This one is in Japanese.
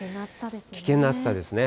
危険な暑さですね。